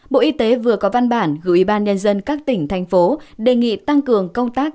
bộ y tế vừa có văn bản gửi ủy ban nhân dân các tỉnh thành phố đề nghị tăng cường công tác